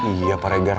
iya pak regar